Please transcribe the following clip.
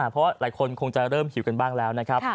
เพราะว่าหลายคนคงจะเริ่มหิวกันบ้างแล้วนะครับ